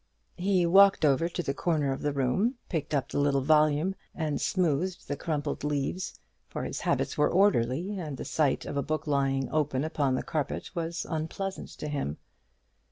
He walked over to the corner of the room, picked up the little volume, and smoothed the crumpled leaves; for his habits were orderly, and the sight of a book lying open upon the carpet was unpleasant to him.